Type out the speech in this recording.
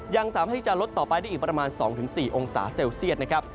ยังสามารถที่จะลดต่อไปได้อีกประมาณ๒๔องศาเซลเซียตนะครับ